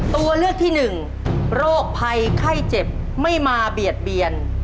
ตัวเลือกที่หนึ่งโรคภัยไข้เจ็บไม่มาเบียดเบียน